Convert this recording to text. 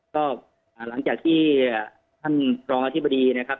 ก็หลังจากที่ท่านรองอธิบดีนะครับ